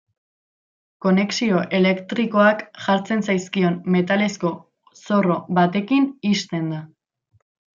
Konexio elektrikoak jartzen zaizkion metalezko zorro batekin ixten da.